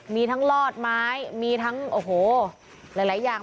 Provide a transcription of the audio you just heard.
มีทั้งลอดไม้มีทั้งโอ้โหหลายอย่าง